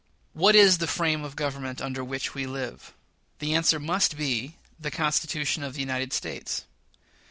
What is the frame of Government under which we live? The answer must be the Constitution of the United States.